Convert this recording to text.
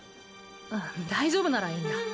大丈夫ならいいんだ。